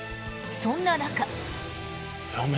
そんな中。